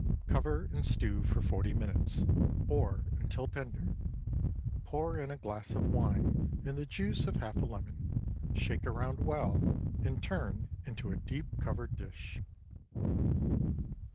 Cover and stew for forty minutes, or until tender; pour in a glass of wine and the juice of half a lemon, shake around well, and turn into a deep covered dish.